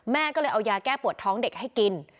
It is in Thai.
แม่ก็เลยเอายาแก้ปวดท้องเด็กให้กิน